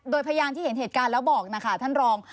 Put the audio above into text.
โดยพยานที่เห็นเหตุการณ์แล้วบอกนะคะท่านรอง